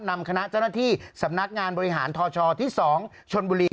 นำคณะเจ้าหน้าที่สำนักงานบริหารทชที่๒ชนบุรี